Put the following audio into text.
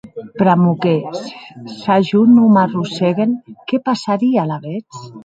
Pr'amor que, s'a jo non m'arrossèguen, qué passarie alavetz?